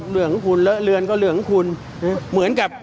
เรื่องของคุณเลอะเลือนก็เรื่องของคุณเหมือนกับ